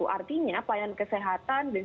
artinya pelayanan kesehatan